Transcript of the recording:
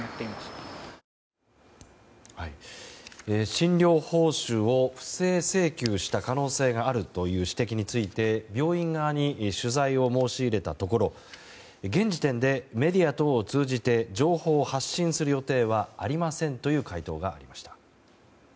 診療報酬を不正請求した可能性があるという指摘について病院側に取材を申し入れたところ現時点で、メディア等を通じて情報を発信する予定はありませんという回答がありました。